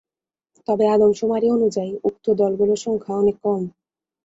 তবে, আদমশুমারি অনুযায়ী উক্ত দলগুলোর সংখ্যা অনেক কম।